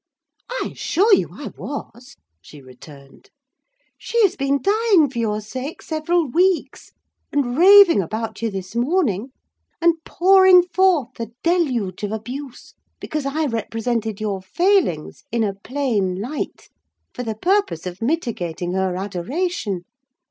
"I assure you I was," she returned. "She has been dying for your sake several weeks, and raving about you this morning, and pouring forth a deluge of abuse, because I represented your failings in a plain light, for the purpose of mitigating her adoration.